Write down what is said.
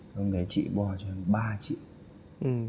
hôm đấy chị bò cho em ba triệu